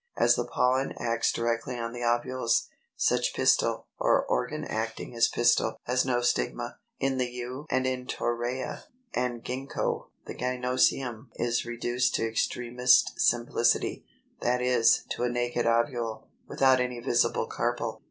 As the pollen acts directly on the ovules, such pistil (or organ acting as pistil) has no stigma. 315. In the Yew, and in Torreya and Gingko, the gynœcium is reduced to extremest simplicity, that is, to a naked ovule, without any visible carpel.